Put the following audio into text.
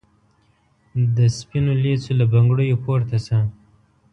د سپینو لېڅو له بنګړو پورته سه